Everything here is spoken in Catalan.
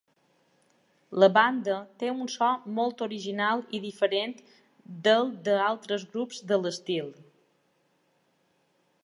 La banda té un so molt original i diferent del d'altres grups de l'estil.